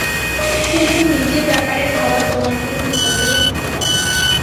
শুধু নিজের ব্যাপারে ভাবা তোমার জন্য বিপদজ্জনক হতে পারে।